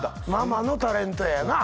ママのタレントやな